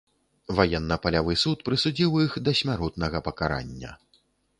Ваенна-палявы суд прысудзіў іх да смяротнага пакарання.